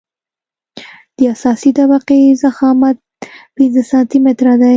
د اساسي طبقې ضخامت پنځه سانتي متره دی